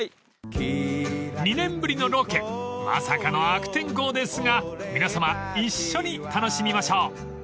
［２年ぶりのロケまさかの悪天候ですが皆さま一緒に楽しみましょう］